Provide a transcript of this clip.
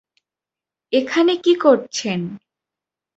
এখানে কী করছেন?